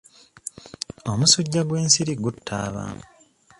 Omusujja gw'ensiri gutta abantu.